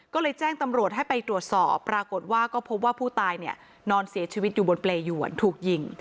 ก็เลยแจ้งตำรวจให้ไปตรวจสอบปรากฏว่าก็พบว่าผู้ตายเนี่ยนอนเสียชีวิตอยู่บนเปรยวนถูกยิง